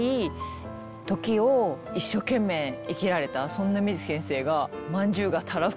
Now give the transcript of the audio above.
そんな水木先生が。